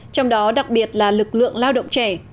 trong đó đặc biệt là lực lượng lao động trẻ